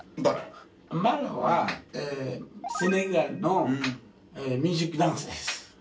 ンバラはセネガルのミュージックダンスです。